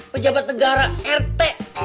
pejabat negara rt